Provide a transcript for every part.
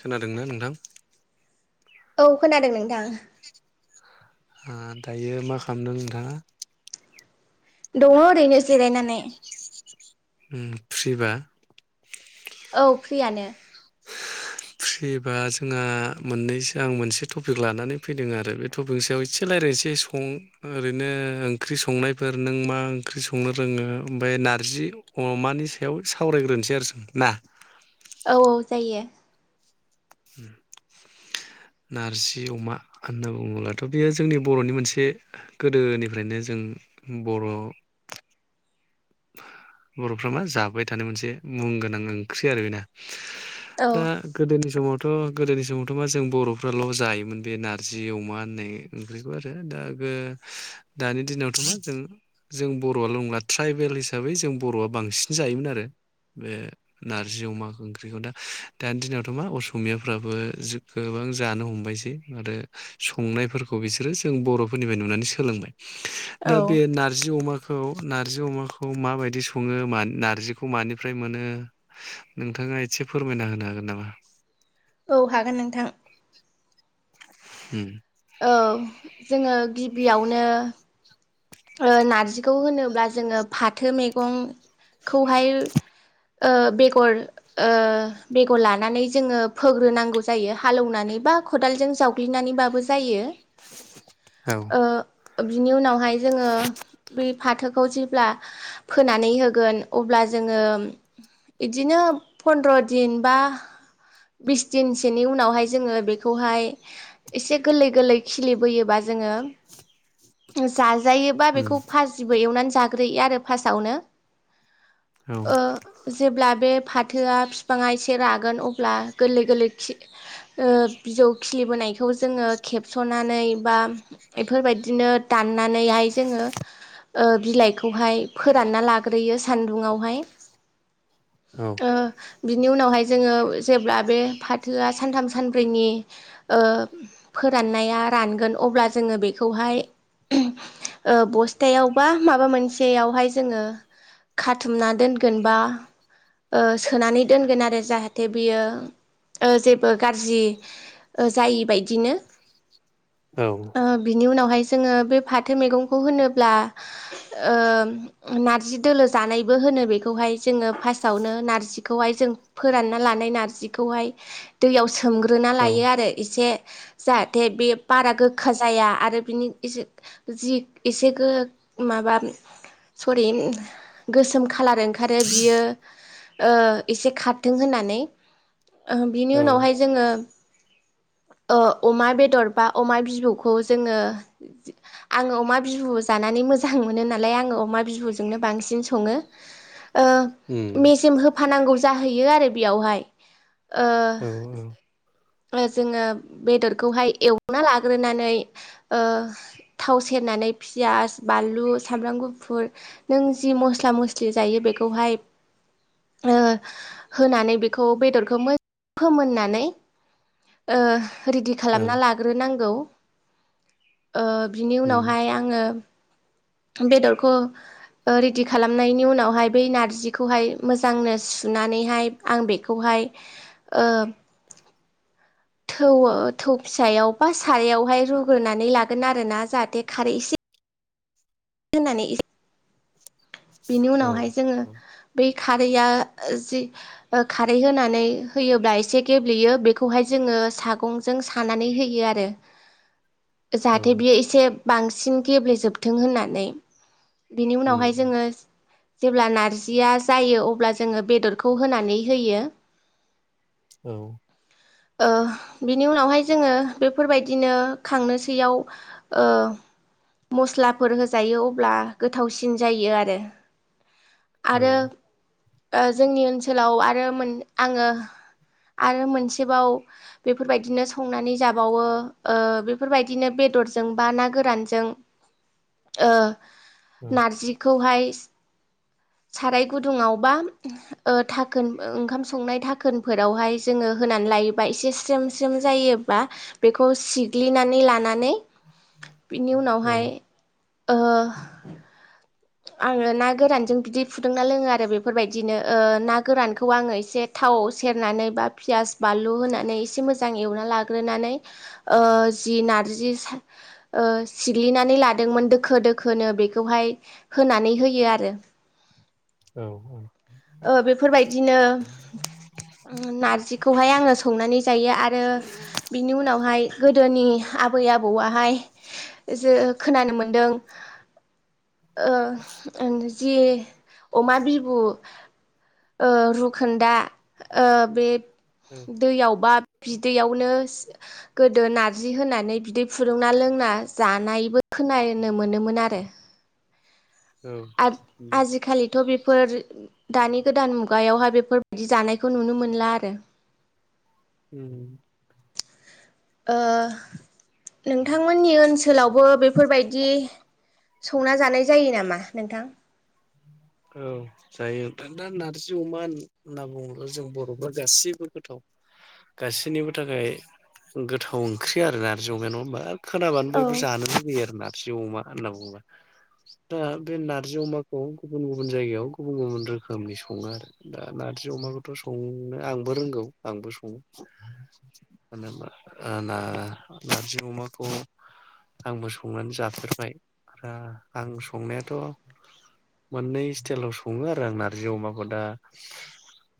खोनादोंना नोंथां? औ खोनादों नोंथां ओ दायो मा खालामदों नोंथाङा? दङ ओरैनो जिरायनानै। उम फ्रिबा औ फ्रियानो। फ्रिबा जोंहा मोननैसो आं मोनसे टपिक लानानै फैदों आरो बे टपिक सायाव एसे रायज्लायनोसै सं ओरैनो ओंख्रि संनायफोर नों मा ओंख्रि संनो रोङो ओमफ्राय नारजि अमानि सायाव सावरायग्रोनोसै आरो जों ना। औ औ जायो। नारजि अमा होनना बुङोब्लाथ' बेयो जोंनि बर'नि मोनसे गोदोनिफ्रायनो जों बर' बर'फोरा मा जाबाय थानाय मोनसे मुं गोनां ओंख्रि आरो बेना। औ दा गोदोनि समाव थ' गोदोनि समावथ' मा जों बर'फ्राल' जायोमोन बे नारजि अमा होननाय ओंख्रिखौ आरो दा ओ दानि दिनावथ' मा जों जों बर'आल' नंला ट्राइबेल हिसाबै जों बर'आ बांसिन जायोमोन आरो बे नारजि अमा ओंख्रिखौ दा दानि दिनावथ' मा असमियाफ्राबो गोबां जानो हमबायसै आरो संनायफोरखौ बिसोरो जों बर'फोरनिफ्राय नुनानै सोलोंबाय। औ दा बे नारजि अमा खौ नार्जि अमाखौ मा बायदि स सङो मा नारजिखौ मानिफ्राय मोनो नोंथाङा एसे फोरमायना होनो हागोन नामा? औ हागोन नोंथां। हम औ जोङो गिबियावनो ओ ओ नारजिखौ होनोब्ला जोङो फाथो मैगं। खौहाय ओ बेगर ओ बेगर लानानै जोङो फोग्रोनांगौ जायो हाल एवनानै बा खदालजों जावग्लिनानैबाबो जायो। औ ओ बिनि उनावहाय। जोङो फाथोखौ जेब्ला फोनानै होगोन अब्ला जो बिदिनो फ्रन्द्र दिन बा बिस दिनसोनि उनावहाय जोङ बेखौहाय एसे गोरलै गोरलै खिलिबोयोबा जा जायोबा उम बेखौ फाजिबो एवनानै जायो। जाग्रो आरो फार्स्टआवनो औ ओ जेब्ला बे फाथोआ बिफाङा एसे रागोन अब्ला गोरलै गोरलै खि ओ बिजौ खिलिबोनायखौ जोङो खेबस'नानै बा बेफोरबायदिनो दाननानै नैहाय जोङो ओ बिलाइखौहाय फोरानना लाग्रोयो सान्दुङावहाय। औ अ बिनि उनावहाय जोङो जेब्ला बे फाथोआ सानथाम सानब्रैनि ओ फोराननाया रानगोन अब्ला जोङो बेखौहाय ओ बस्थायाव बा माबा मोनसेयावहाय जोङो खाथुमना दोनगोन बा ओ सोनानै दोनगोन आरो जाहाथे बियो ओ जेबो गाज्रि ओ जायि बादिनो औ ओ बिनि उनावहाय जोङो फाथो मैगंखौ होनोब्ला ओ नारजि दोलो जानायबो होनो बेखौहाय जोङो फार्टआवनो नारजि खौ जोङो फोरानना लानाय नारजिखौहाय जोङो सोमग्रोना औ लायो आरो एसे जाहाथे बे बारा गोखा जाया आरो बिनि जि एसे माबा सरि गोसोम खालार ओं आरो बियो ओ एसे खारथों होननानै बिनि औ उनावहाय जोङो ओ अमा बेदर बा अमा बिबौखौ जोङो आङो अमा बिबु जानानै मोजां मोनो नालाय आङो अमा बिबुजोंनो बांसिन सङो उम मेजेम होब फानांगौ जाहैयो आरो बेयावहाय औ ओ जोङो बेदरखौहाय एवना लाग्रोनानै थाव सेरनानै पियास बानलु सामब्राम गुफुर नों जि मस्ला मस्लि जायो बेखौहाय होनानै बेखौ बेदरखौ फोमोननानै रेडि खालामना ओं लाग्रोनांगौ। ओ बिनि उम उनावहाय आङो बेदरखौ ओ रेडि खालामनायनि उनावहाय बै नारजिखौहाय मोजांनो सुनानैहाय आं बेखौहाय ओ थौ थौ फिसायाव बा सारायावहाय रुग्रोनानै लागोन आरोना जाहाथे खारै एसे होनानै इसे बेनि औ उनावहाय जोङो औ बेै खारैया जि खारै होनानै होयोब्ला एसे गेब्लेयो बेखौहाय जोङो सागंजों सानानै होयो आरो औ जाहाथे बियो एसे बांसिन गेब्लेेजोबथों होनना नै बिनि उम उनावहाय जोङो जेब्ला नारजिया जायो अब्ला जोङो बेदरखौ होनानै होयो औ ओ बिनि उनावहाय जोङो बेफोरबायदिनो खांनोसैयाव ओ मस्लाफोर हो जायो अब्ला गोथावसिन जायो आरो औ आरो ओं ओ जोंनि ओनसोलाव आरो आङो आरो मोनसेबाव बेफोरबायदिनो संनानै जाबावो ओ बेफोरबायदिनो बेदरजों बा ना गोरानजों ओ औ नारजिखौहाय साराय गुदुङावबा ओ थाखोन ओंखाम संनाय थाखोनफोरावहाय जोङो होनानै लायोबा एसे स्रेम स्रेम जायोबा बेखौ सिग्लिनानै लानानै बिनि औ उनावहाय ओ आङो ना गोरानजों बिदै फुदुंना लोङो आरो बेफोरबायदिनो ओ ना गोरानखौ आङो एसे थाव सेरनानै बा पियास बानलु होनानै एसे मोजां एवना लाग्रोनानै ओ जि नारजि ओ सिग्लिनानै लादोंमोन ओ दोखो दोखोनो बेखौहाय होनानै होयो आरो औ औ ओ बेफोरबायदिनो नारजिखौहाय आङो संनानै जायो आरो बिनि उनावहाय गो दोनि आबै आबौआहाय जे खोनानो मोनदों ओ [unintelligible] जि अमा बिबु ओ रुखोनदा ओ बे औ दैयाव बा बिदैयावनो गोदो नारजि होनानै बिदै फुदुंना लोंना जानायबो खोनानो मोनोमोन आरो औ उम आजि-आजिखालिथ' बे फोर दानि गोदान मुगायावहाय बेफोरबायदि जानायखौ नुनो मोनला आरो हम ओ नोंथांमोननि ओनसोलावबो बेफोरबायदि संना जानाय जायो नामा नोंथां औ जायो दा दा नार्जि अमा होनना बुङोब्ला जों बर'फ्रा गासैबो गोथाव गासिनिबो थाखाय गोथाव ओंख्रि आरो नार्जि अमाया नङा होमबा खोनाबानो औ बयबो जानो लुुबैयो आरोना खि अमा होनना बुंबा दा बे नारजि अमाखौ गुबुन गुबुन जायगायाव गुबुन गुबुन रोखोमनि सङो आरो दा नारजि अमाखौथ' संनो आंबो रोंगौ आंबो सङो मानो ना नारजि अमाखौ आंबो संनानै जाफेरबाय दा आं संनायाथ' मोननै स्टाइलाव सङो आरो आं नार्जि अमाखौ दा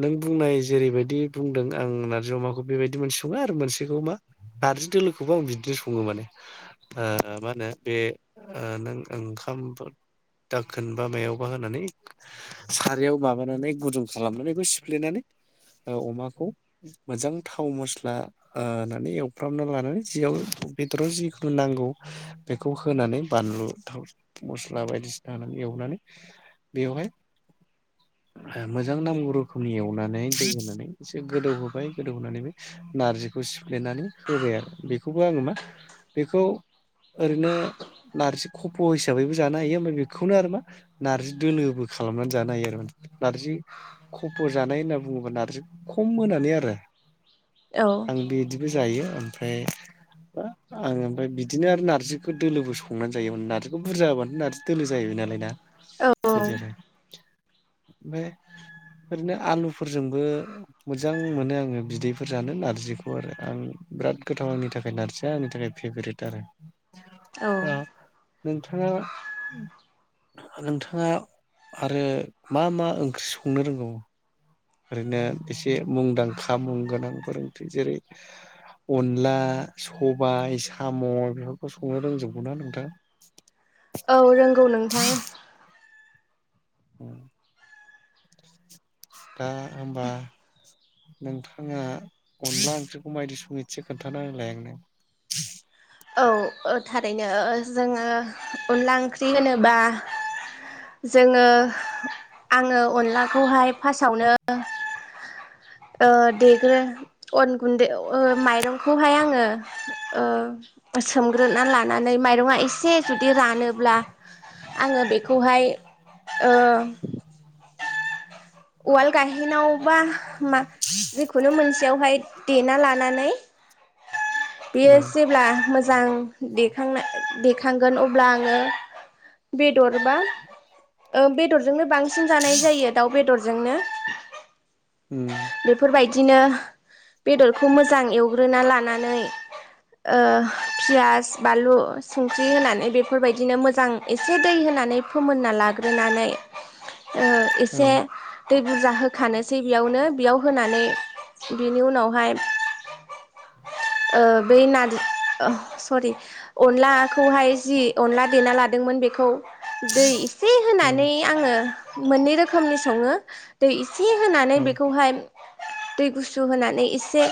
नों बुंनाय जेरैबायदि बुंदों आं नारजि अमाखौ बेबायदि मोनसे सङो आरो मोनसेखौ मा नारजि दोलोखौबो आं बिदिनो सङो माने ओ मा होनो बे ओ नों ओंखाम दाखोन बाबायावबा होनानै सारायाव माबानानै गुदुं खालामनानै बेखौ सिफ्लेनानै ओ अमाखौ मोजां थाव मस्ला ओ होनानै एवफ्रामना लानानै जियाव बेदरा जिखुनु नांगौ बेखौ होनानै बानलु थाव मस्ला बायदिसिना होनानै एवनानै बेवहाय मोजां नांगौ रोखोमनि एवनानै दै होनानै एसे गोदौ होबाय गोदौ होनानै बे नारजिखौ सिफ्लेनानै होबाय आरो बेखौबो आङो मा बेखौ ओरैनो नारजि खफ' हिसाबैबो जानो हायो ओमफाय बेखौनो आरो मा नार्जि दोलोबो खालामनानै जानो हायो आरो नोंथा नार्जि खफ' जानाय होनना बुङोब्ला नार्जि खम होनानै आरो औ आं बिदिबो जायो ओमफ्राय आङो ओमफ्राय बिदिनो आरो नारजिखौ दोलोबो संनानै जायोमोन नारजिखौ बुरजा हाबानो नारजि दोलो जाहैबाय नालाय ना बिदि आरो औ ओमफाय ओरैनो आलुफोरजोंबो मोजां मोनो आङो बिदैफोर जानो नारजिखौ आरो आं बिराद गोथाव आंनि थाखाय नारजिया आंनि थाखाय फेभरेट आरो ओ नोंथाङा नोंथाङा आरो मा मा ओंख्रि संनो रोंगौ ओरैनो एसे मुंदांखा मुं गोनांफोर ओंख्रि जेरै अनला सबाइ साम' बेफोरखौ संनो रोंजोबगौना नोंथां औ रोंगौ नोंथां दा होमबा नोंथाङा अनला ओंख्रिखौ मायदि सङो एसे खोन्थाना होलाय आंनो औ ओ थारैनो जोङो अनला ओंख्रि होनोबा जोङो आङो अनलाखौहाय फार्स्टआवनो ओ देग्रो अन गुन्दै ओ माइरंखौहाय आङो ओ सोमग्रोना लानानै माइरङा एसे जुदि रानोब्ला आङो बेखौहाय ओ उवाल गाहेनाव बा मा जिखुनु मोनसेयावहाय देना लानानै बेयो औ जेब्ला मोज जां देखांनाय देखांगोन अब्ला आङो बेदर बा ओ बेदरजोंनो‌ बां सिन जानाय जायो दाउ बेदर जोंनो उम दिनो बेदरखौ मोजां एवग्रोना लानानै ओ पियास बानलु संख्रि होनानै बेफोरबायदिनो मोजां एसे दै होनानै फोमोनना लाग्रोनानै ओ औ एसे दै बुरजा होखानोसै बेयावनो बेयाव होनानै बिनि उनावहाय ओ बै नार ओ सरि अनलाखौहाय जि अनला देना लादोंमोन बेखौ दै एसे औ होनानै आङो मोननै रोखोमनि सङो दै एस से होनानै औ बेखौहाय दै गुसु होनानै एसे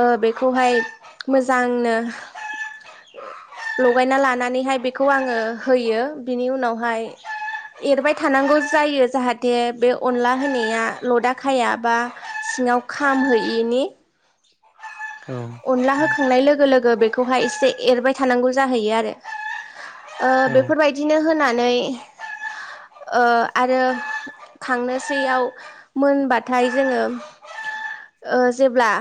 ओ बेखौहाय मोजांनो लगायना लानानैहाय बेखौ आङो होयो बिनि उनावहाय एरबाय थानांगौ जायो जाहाथे बे अनला होनाया लदा खाया बा सिङाव खामहोयिनि औ अनला औ होखांनाय लोगो लो गो बेखौहाय एसे एरबाय थानांगौ जाहैयो आरो ओ औ बेफोरबायदिनो होना नै ओ आरो खांनोसैयाव मोनबाथाय जोङो ओ जेब्ला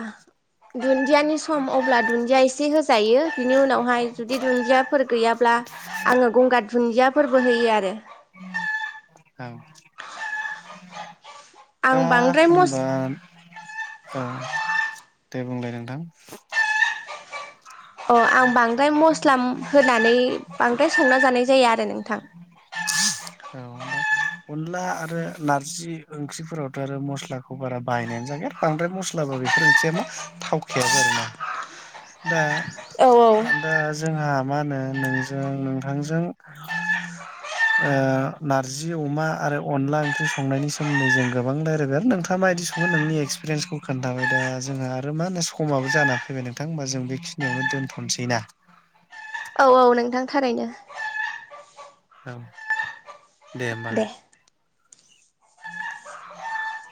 दुन्दियानि सम अब्ला दु दिया एसे होस जायो बिनि उनावहाय जुदि दुन्दियाफोर गैयाब आङो गंगार दुन्दिया फोरबो होयो आरो औ आं दा बांद्राय मस होनबा औ दे बुंलाय नोंथां अ आं बांद्राय मस्ला होनानै बांद्राय संना जानाय जायो आरो नोंथां औ दा अनला आरो नारजि ओंख्रिफोरावथ' आरो मस्लाखौ बारा बाहायनायानो जाखाया बांद्राय मस्लाबो बेफोर ओंख्रिया मा थावखायाबो आरोना दा औ औ दा जोंहा मा होनो नोंजों नोंथांजों ओ नारजि अमा आरो अनला ओंख्रि संनायनि सोमोन्दै जों गोबां रायलायगोन नोंथाङा माबायदि सङो नोंनि एक्सपिरियेन्सखौ खोन्थाबाय दा जोंहा आरो मा होनो समाबो जानानै फैबाय नोंथां होमबा जों बेखिनियावनो दोनथ'नोसैना औ औ नोंथां थारैनो औ दे होमबा [inaudible]